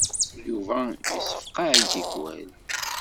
Yuba yessefqaɛ tikwal.